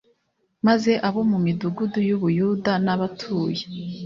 Maze abo mu midugudu y u Buyuda n abatuye